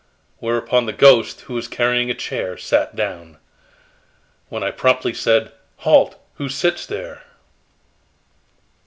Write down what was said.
Whereupon the ghost, who was carrying a chair, sat down. When I promptly said: 'Halt, who sits there?'